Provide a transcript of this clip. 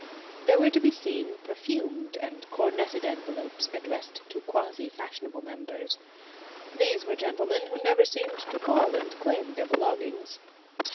There were to be seen perfumed and coronetted envelopes addressed to quasi fashionable members. These were gentlemen who never seemed to call and claim their belongings.